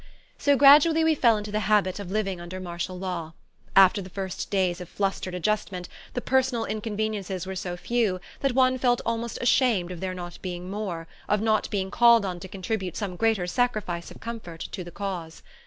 So, gradually, we fell into the habit of living under martial law. After the first days of flustered adjustment the personal inconveniences were so few that one felt almost ashamed of their not being more, of not being called on to contribute some greater sacrifice of comfort to the Cause.